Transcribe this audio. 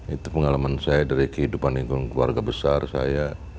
itu pengalaman saya dari kehidupan lingkungan keluarga besar saya